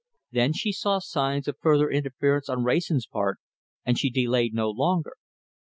Then she saw signs of further interference on Wrayson's part, and she delayed no longer.